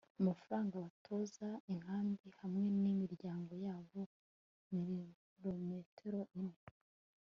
amafaranga abatoza inkambi hamwe nimiryango yabo mumirometero ine